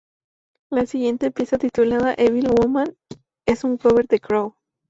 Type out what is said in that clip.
La siguiente pieza, titulada "Evil Woman", es un cover de Crow.